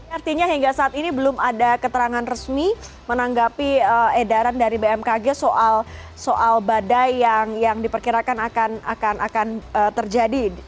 artinya hingga saat ini belum ada keterangan resmi menanggapi edaran dari bmkg soal badai yang diperkirakan akan terjadi